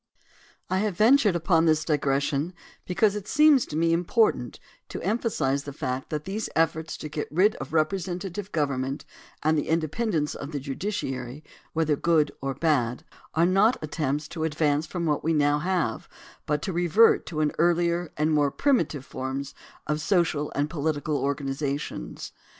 I have ventured upon this digression because it seems to me important to emphasize the fact that these efforts to get rid of representative gov ernment and the independence of the judiciary, whether good or bad, are not attempts to advance from what we now have but to revert to earlier and more primitive forms of social and political organizations.